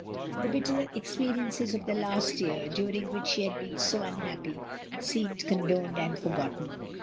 The bitter experiences of the last year, during which she had been so unhappy, seemed condoned and forgotten.